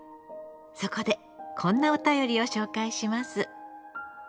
そこでこんなお便りを紹介します。